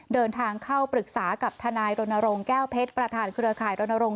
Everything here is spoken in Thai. เดินทางเข้าปรึกษากับทนายรณรงค์แก้วเพชรประธานเครือข่ายรณรงค